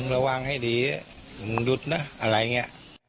ระวังให้ดีมึงหยุดนะอะไรอย่างนี้